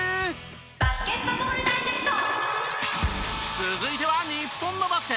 続いては日本のバスケ。